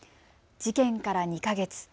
事件から２か月。